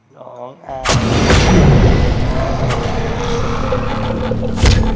น้องแอ